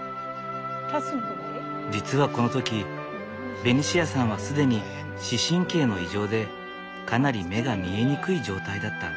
実はこの時ベニシアさんは既に視神経の異常でかなり目が見えにくい状態だった。